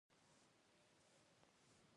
نو اتریشیان به راشي او موږ به را ویښ کړي.